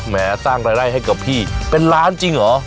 แม้สร้างรายได้ให้กับพี่เป็นล้านจริงเหรอ